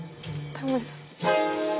タモリさん。